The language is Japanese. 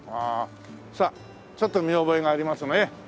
さあちょっと見覚えがありますね。